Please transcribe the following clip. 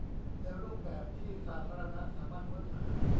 ในรูปแบบที่สาธารณะสามารถค้นหา